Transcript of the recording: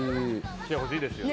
来てほしいですけどね。